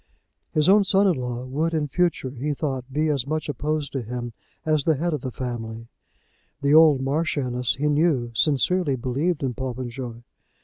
His own son in law would in future, he thought, be as much opposed to him as the head of the family. The old Marchioness, he knew, sincerely believed in Popenjoy.